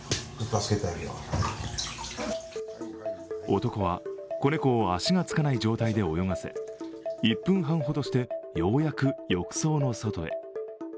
男は子猫を足がつかない状態で泳がせ１分半ほどしてようやく浴槽の外へ。